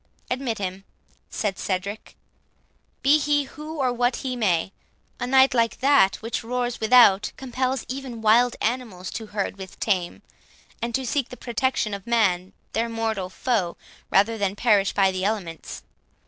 "Admit him," said Cedric, "be he who or what he may;—a night like that which roars without, compels even wild animals to herd with tame, and to seek the protection of man, their mortal foe, rather than perish by the elements.